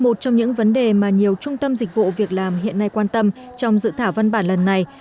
một trong những vấn đề mà nhiều trung tâm dịch vụ việc làm hiện nay quan tâm trong dự thảo văn bản lần này